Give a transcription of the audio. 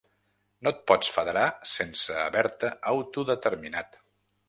No et pots federar sense haver-te autodeterminat.